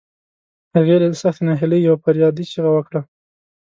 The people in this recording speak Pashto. هغې له سختې ناهيلۍ يوه فریادي چیغه وکړه.